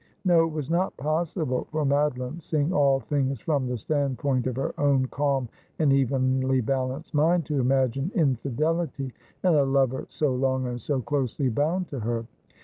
No, it was not possible for Madeline, seeing all things from the standpoint of her own calm and evenly balanced mind, to imagine infidelity in a lover so long and so closely bound to her.